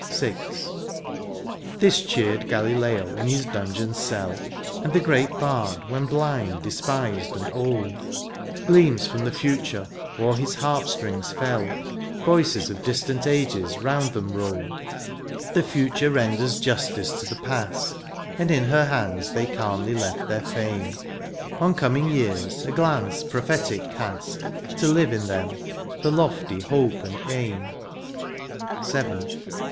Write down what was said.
134 THE FUTURE. VI. This cheered Gralileo in his dmigeon^s cell ; And the great bard when blind^ despised^ and old ; Gleams from the future o'er his harp^trings feU, Voices of distant ages round them rolled. The future renders justice to the past, And in her hands they calmly left their fame ; On coming years a glance prophetic cast. To live in them^ their lofty hope and aim. VII.